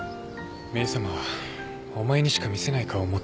メイさまはお前にしか見せない顔を持ってる。